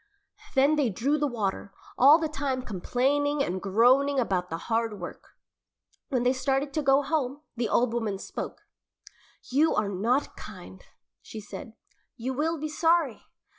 Then they drew the water, all the time complaining and groaning about the hard work. When they started to go home, the old woman spoke. "You are not kind," she said, "you will be sorry."